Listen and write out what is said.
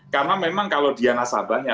karena memang kalau dia nasabahnya